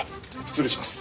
失礼します。